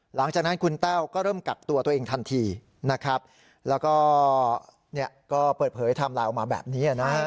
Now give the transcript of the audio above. หลังจากนั้นคุณแต้วก็เริ่มกลับตัวตัวเองทันทีนะครับแล้วก็เนี่ยก็เปิดเผยทำลายออกมาแบบนี้อ่ะนะครับ